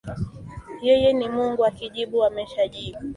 Yeye ni Mungu akijibu ameshajibu